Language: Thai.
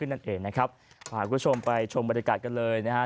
นั่นเองนะครับพาคุณผู้ชมไปชมบรรยากาศกันเลยนะฮะ